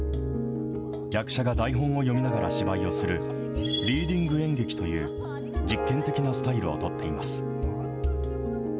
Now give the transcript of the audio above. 役者が台本を読みながら芝居をする、リーディング演劇という、実験的なスタイルを取っています。